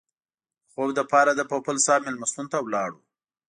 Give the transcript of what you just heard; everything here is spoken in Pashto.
د خوب لپاره د پوپل صاحب مېلمستون ته لاړو.